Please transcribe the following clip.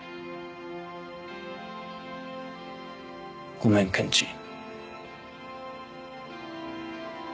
ごめんケンチン。